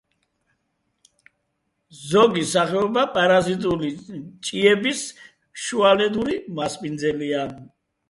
ზოგი სახეობა პარაზიტული ჭიების შუალედური მასპინძელია.